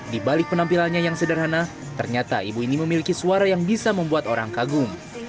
di balik penampilannya yang sederhana ternyata ibu ini memiliki suara yang bisa membuat orang kagum